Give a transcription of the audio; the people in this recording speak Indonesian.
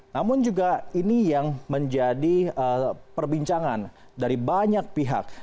namun juga ini yang menjadi perbincangan dari banyak pihak